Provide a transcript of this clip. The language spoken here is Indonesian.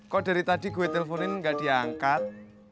kok dari tadi gue teleponin gak diangkat